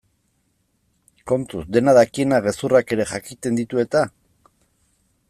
Kontuz, dena dakienak gezurrak ere jakiten ditu eta?